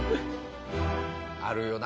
あるよな